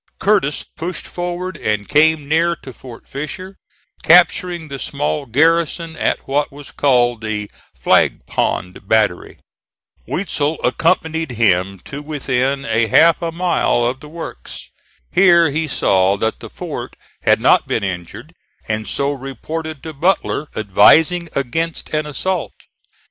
Curtis pushed forward and came near to Fort Fisher, capturing the small garrison at what was called the Flag Pond Battery. Weitzel accompanied him to within a half a mile of the works. Here he saw that the fort had not been injured, and so reported to Butler, advising against an assault.